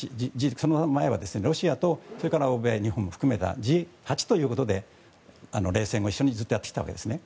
その前にはロシアとそれから欧米、日本も含めたＧ８ということで冷戦後、一緒にずっとやってきたわけですね。